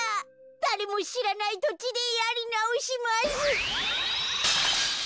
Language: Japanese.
だれもしらないとちでやりなおします。